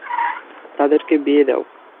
তাদেরকে দিয়ে দাও।